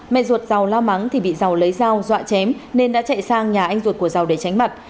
mẹ ruột dầu la mắng thì bị dầu lấy dầu dọa chém nên đã chạy sang nhà anh ruột của dầu để tránh mặt